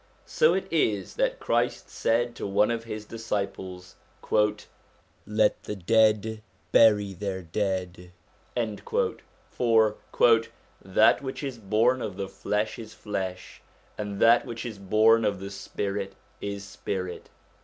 So it is that Christ said to one of his disciples: 'Let the dead bury their dead'; for 'That which is born of the flesh is flesh, and that which is born of the spirit is spirit.'